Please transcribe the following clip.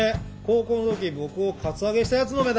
高校の時僕をカツアゲした奴の目だ！